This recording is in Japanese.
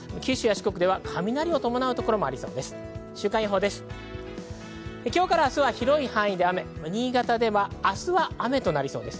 九州や四国では雷を伴う所がありそうです。